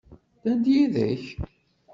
Ddan-d yid-k?